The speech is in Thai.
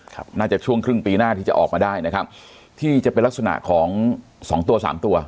ครับน่าจะช่วงครึ่งปีหน้าที่จะออกมาได้นะครับที่จะเป็นลักษณะของสองตัวสามตัว